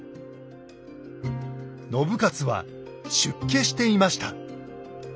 信雄は出家していました。